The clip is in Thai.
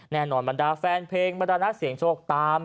แน่นอนบรรดาแฟนเพลงบรรดาหน้าเสียงโชคตาม